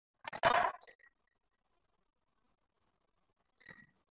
هېڅکله یې د پښتنو د نرخ له مخې بد کار نه وو کړی.